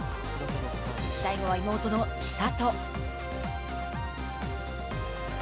最後は妹の千怜。